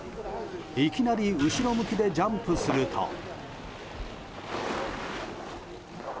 いきなり後ろ向きでジャンプすると。